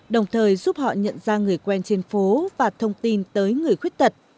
đồng thời giúp họ nhận ra người quen trên phố và thông tin tới người khuyết tật